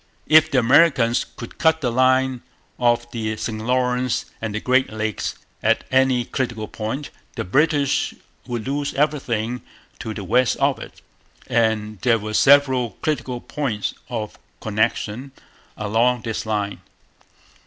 If the Americans could cut the line of the St Lawrence and Great Lakes at any critical point, the British would lose everything to the west of it; and there were several critical points of connection along this line.